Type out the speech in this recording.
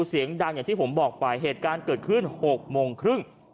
เสียงดังอย่างที่ผมบอกไปเหตุการณ์เกิดขึ้น๖โมงครึ่ง